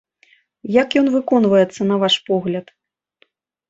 Як ён выконваецца на ваш погляд?